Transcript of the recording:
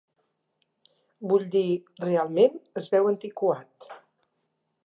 Vull dir, realment es veu antiquat.